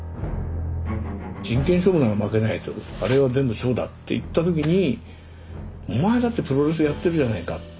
真剣勝負なら負けないとあれは全部ショーだって言った時にお前だってプロレスやってるじゃないかって。